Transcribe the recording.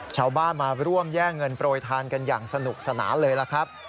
ชาวบ้านมาร่วมแย่งเงินโปรยทานกันอย่างสนุกสนานเลยล่ะครับ